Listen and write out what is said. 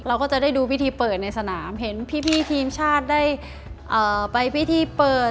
เราก็จะได้ดูพิธีเปิดในสนามเห็นพี่ทีมชาติได้ไปพิธีเปิด